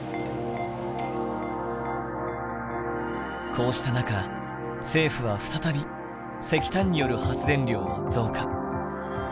こうした中政府は再び石炭による発電量を増加。